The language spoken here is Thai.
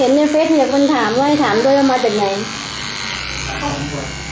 เห็นเนี่ยเฟสมีคนถามว่าให้ถามด้วยว่ามาตั้งไหน